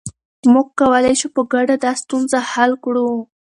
موږ کولای شو په ګډه دا ستونزه حل کړو.